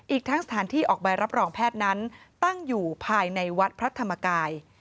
อีกทั้งสถานที่ออกใบรับรองแพทย์นั้นตั้งอยู่ภายในวัดพระธรรมกาย